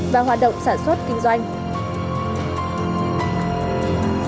và hoạt động sản xuất kinh doanh